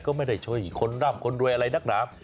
ก็ไม่ได้ช่วยคนร่ำคนรวยอะไรนักหนา